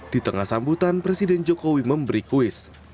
di tengah sambutan presiden jokowi memberi kuis